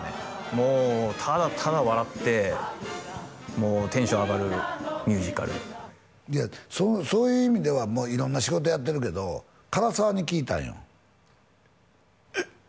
もうただただ笑ってもうテンション上がるミュージカルいやそういう意味ではもう色んな仕事やってるけど唐沢に聞いたんよえっ？